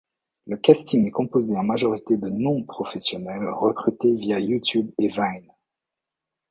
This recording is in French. Le casting est composé en majorité de non-professionnels recrutés via YouTube et Vine.